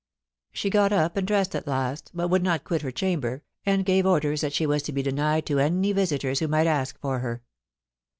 She got up and dressed at last, but would not quit her chamber, and gave orders that she was to be denied to any visitors who might ask for her.